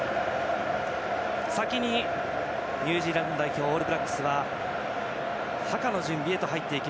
先にニュージーランド代表オールブラックスはハカの準備に入ります。